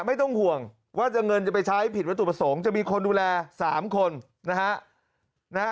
ไม่ต้องห่วงว่าเงินจะไปใช้ผิดวัตถุประสงค์จะมีคนดูแล๓คนนะฮะ